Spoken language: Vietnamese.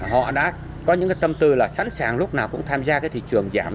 họ đã có những cái tâm tư là sẵn sàng lúc nào cũng tham gia cái thị trường giảm